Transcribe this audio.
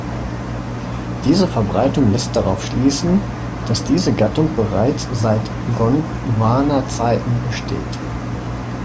Diese Verbreitung lässt darauf schließen, dass diese Gattung bereits seit Gondwana-Zeiten besteht.